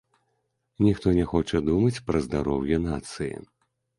Ніхто не хоча думаць пра здароўе нацыі.